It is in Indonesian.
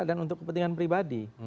dan untuk kepentingan pribadi